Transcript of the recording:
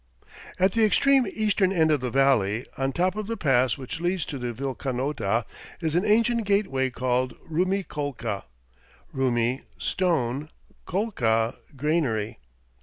At the extreme eastern end of the valley, on top of the pass which leads to the Vilcanota is an ancient gateway called Rumiccolca (Rumi = "stone"; ccolca = "granary").